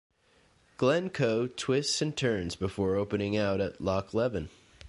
Glen Coe twists and turns before opening out at Loch Leven.